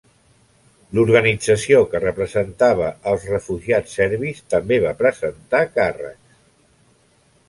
L'organització que representava els refugiats serbis també va presentar càrrecs.